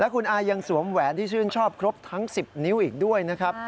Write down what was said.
คุณอายังสวมแหวนที่ชื่นชอบครบทั้ง๑๐นิ้วอีกด้วยนะครับ